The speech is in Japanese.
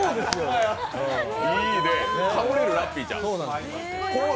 いいね、かぶれるラッピーちゃん。